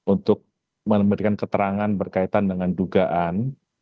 untuk memberikan keterangan berkaitan dengan dugaan